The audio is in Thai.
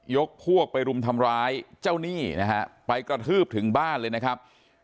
ยกพวกไปรุมทำร้ายเจ้าหนี้นะฮะไปกระทืบถึงบ้านเลยนะครับ